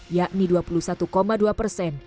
yakni dua puluh satu dua persen